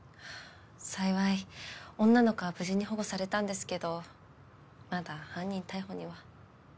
幸い女の子は無事に保護されたんですけどまだ犯人逮捕には。